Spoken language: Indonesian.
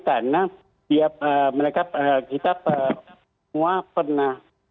karena kita semua pernah